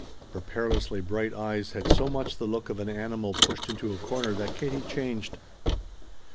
Her perilously bright eyes had so much the look of an animal pushed into a corner that Katie changed.